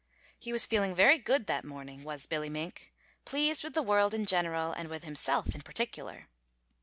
He was feeling very good that morning, was Billy Mink, pleased with the world in general and with himself in particular.